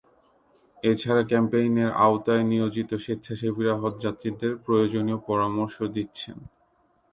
এ ছাড়া ক্যাম্পেইনের আওতায় নিয়োজিত স্বেচ্ছাসেবীরা হজযাত্রীদের প্রয়োজনীয় পরামর্শ দিচ্ছেন।